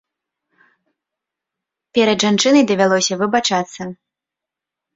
Перад жанчынай давялося выбачацца.